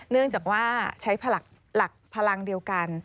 เนื่องจากว่าใช้หลักพลังเดียวกัน